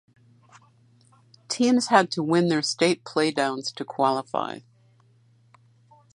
Teams had to win their state playdowns to qualify.